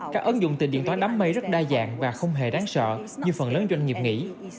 các ứng dụng từ điện toán đám mây rất đa dạng và không hề đáng sợ như phần lớn doanh nghiệp nghĩ